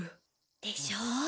でしょ？